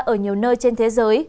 ở nhiều nơi trên thế giới